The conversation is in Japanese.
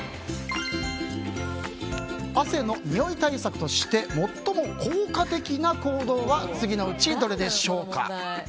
汗のにおい対策として最も効果的な行動は次のうちどれでしょうか？